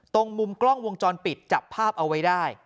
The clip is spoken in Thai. มุมกล้องวงจรปิดจับภาพเอาไว้ได้